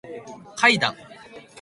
階段